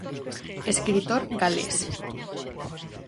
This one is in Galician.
Escritor galés.